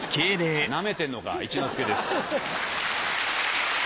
なめてんのか一之輔です。